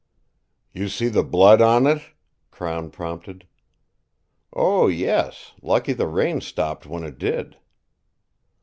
"You see the blood on it?" Crown prompted. "Oh, yes; lucky the rain stopped when it did."